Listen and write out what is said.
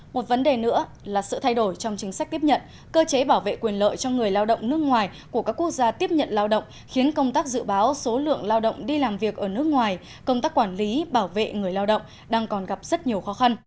một vấn đề nữa là sự thay đổi trong chính sách tiếp nhận cơ chế bảo vệ quyền lợi cho người lao động nước ngoài của các quốc gia tiếp nhận lao động khiến công tác dự báo số lượng lao động đi làm việc ở nước ngoài công tác quản lý bảo vệ người lao động đang còn gặp rất nhiều khó khăn